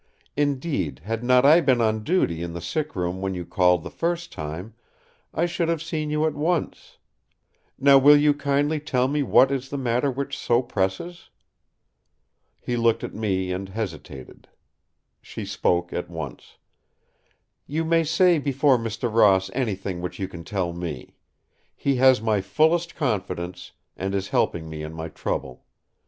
Indeed, had not I been on duty in the sick room when you called the first time, I should have seen you at once. Now will you kindly tell me what is the matter which so presses?" He looked at me and hesitated. She spoke at once: "You may say before Mr. Ross anything which you can tell me. He has my fullest confidence, and is helping me in my trouble.